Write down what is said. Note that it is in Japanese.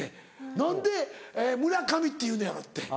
何で「村上」って言うのやろって。